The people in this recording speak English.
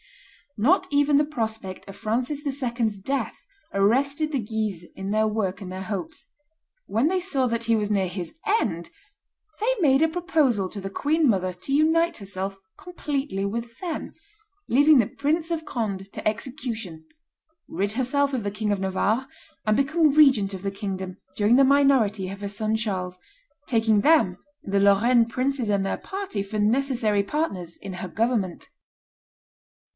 Not even the prospect of Francis II.'s death arrested the Guises in their work and their hopes; when they saw that he was near his end, they made a proposal to the queen mother to unite herself completely with them, leave the Prince of Conde to execution, rid herself of the King of Navarre, and become regent of the kingdom during the minority of her son Charles, taking them, the Lorraine princes and their party, for necessary partners in her government.